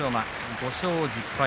５勝１０敗。